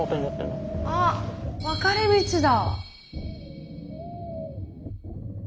あっ分かれ道だ。